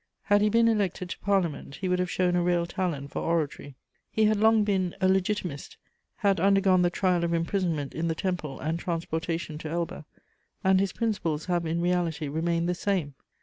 Had he been elected to Parliament, he would have shown a real talent for oratory. He had long been a Legitimist, had undergone the trial of imprisonment in the Temple and transportation to Elba, and his principles have in reality remained the same.